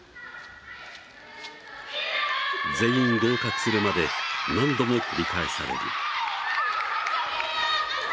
全員合格するまで何度も繰り返される。